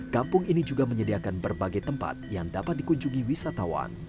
kampung ini juga menyediakan berbagai tempat yang dapat dikunjungi wisatawan